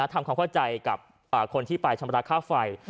ทำความเข้าใจกับคนที่ไปชำระค่าไฟ